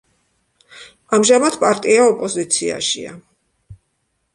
ამჟამად პარტია ოპოზიციაშია.